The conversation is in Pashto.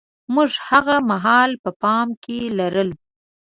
موږ هاغه مهال په پام کې لرل.